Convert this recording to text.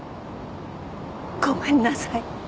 ごめんなさい